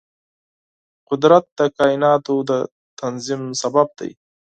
قدرت د کایناتو د تنظیم سبب دی.